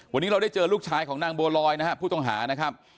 วันนี้เราได้เจอลูกชายของนางบัวลอยนะครับผู้ต้องหานะครับ